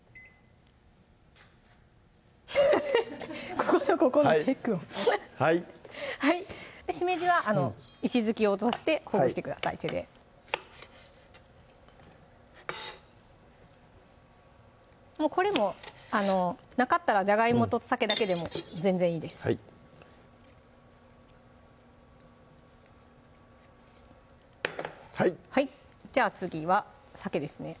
こことここのチェックをしめじは石突きを落としてほぐしてください手でこれもなかったらじゃがいもとさけだけでも全然いいですはいじゃあ次はさけですね